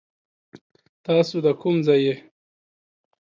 تاسو دا کوم ځای يي ؟